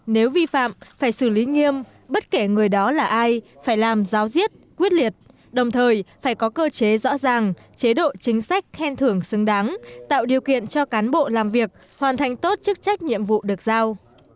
nếu vi phạm phải xử lý nghiêm bất kể người đó là ai phải làm giáo diết quyết liệt đồng thời phải có cơ chế rõ ràng chế độ chính sách khen thưởng xứng đáng tạo điều kiện cho cán bộ làm việc hoàn thành tốt chức trách nhiệm vụ được giao